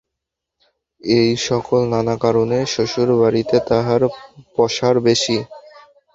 এই-সকল নানা কারণে শ্বশুরবাড়িতে তাঁহার পসার বেশি।